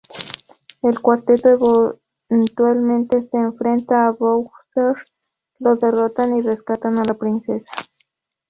El cuarteto eventualmente se enfrenta a Bowser, lo derrotan y rescatan a la princesa.